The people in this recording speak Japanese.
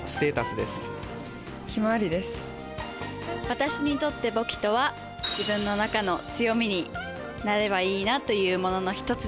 私にとって簿記とは自分の中の強みになればいいなというものの一つです。